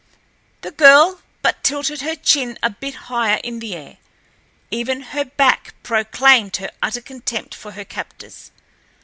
The girl but tilted her chin a bit higher in the air—even her back proclaimed her utter contempt for her captors.